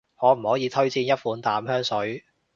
可唔可以推薦一款淡香水？